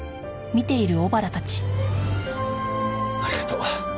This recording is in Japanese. ありがとう。